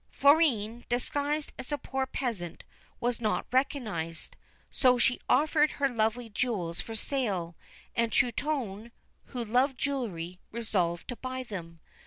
Florine, disguised as a poor peasant, was not recognised, so she offered her lovely jewels for sale, and Truitonne, who loved jewellery, resolved to buy them.